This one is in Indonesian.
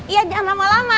iya jangan lama lama